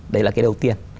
đấy là cái đầu tiên